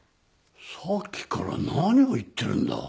さっきから何を言ってるんだ？